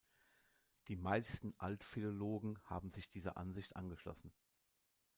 Die meisten Altphilologen haben sich dieser Ansicht angeschlossen.